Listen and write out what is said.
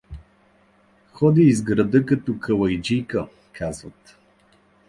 «Ходи из града, като калайджийка» казват.